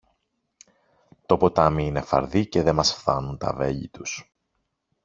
Το ποτάμι είναι φαρδύ και δε μας φθάνουν τα βέλη τους.